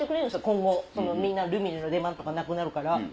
今後みんなルミネの出番とかなくなるから。